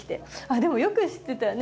でもよく知ってたわね